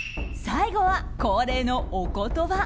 最後は恒例のお言葉。